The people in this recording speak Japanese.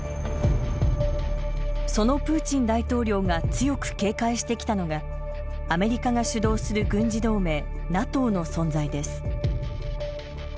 そのプーチン大統領が強く警戒してきたのがアメリカが主導する軍事同盟ＮＡＴＯの存在です。